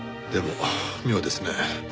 でも妙ですね。